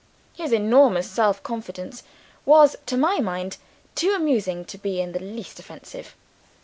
His enormous self confidence was, to my mind, too amusing to be in the least offensive.